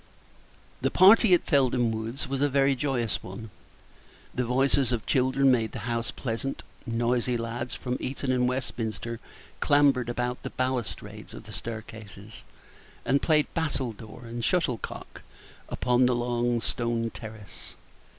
The party at Felden Woods was a very joyous one. The voices of children made the house pleasant; noisy lads from Eton and Westminster clambered about the balustrades of the staircases, and played battledoor and shuttlecock upon the long stone terrace.